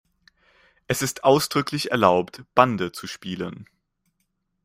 Es ist ausdrücklich erlaubt, Bande zu spielen.